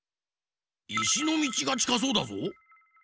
いしのみちがちかそうだぞ。